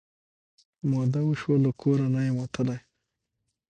موده وشوه له کور نه یم وتلې